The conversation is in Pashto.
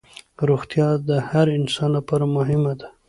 روغتیا د هر انسان لپاره مهمه ده